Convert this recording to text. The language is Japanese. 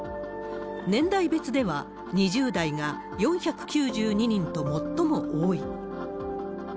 年代別では、２０代が４９２人と最も多い。